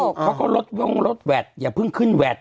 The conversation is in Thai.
เขาก็ลดวงลดแวดอย่าเพิ่งขึ้นแวด